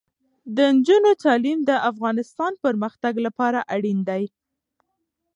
د نجونو تعلیم د افغانستان پرمختګ لپاره اړین دی.